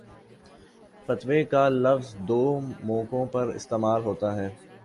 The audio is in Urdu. فتوے کا لفظ دو موقعوں پر استعمال ہوتا ہے